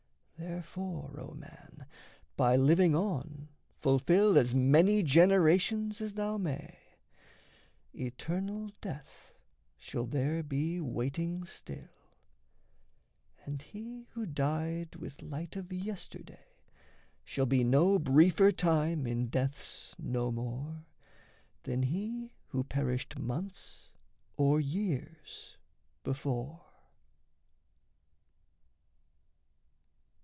Therefore, O man, by living on, fulfil As many generations as thou may: Eternal death shall there be waiting still; And he who died with light of yesterday Shall be no briefer time in death's No more Than he who perished months or years before.